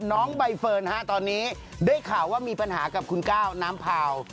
น้องใบเฟิร์นตอนนี้ได้ข่าวว่ามีปัญหากับคุณก้าวน้ำพาว